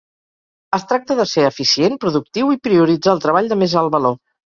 Es tracta de ser eficient, productiu i prioritzar el treball de més alt valor.